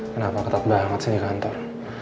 kenapa ketat banget sih di kantor